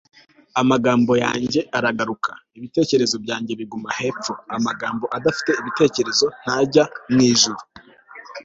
amagambo yanjye araguruka, ibitekerezo byanjye biguma hepfo. amagambo adafite ibitekerezo ntajya mu ijuru